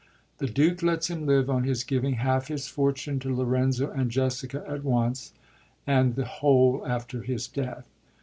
The Duke lets him live on his giving half his fortune to Lorenzo and Jessica at once, and the whole after his death.